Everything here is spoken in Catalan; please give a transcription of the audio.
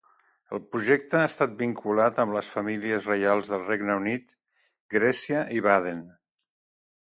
El projecte ha restat vinculat amb les famílies reials del Regne Unit, Grècia i Baden.